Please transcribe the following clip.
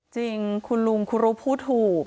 จริงคุณลุงคุณรู้พูดถูก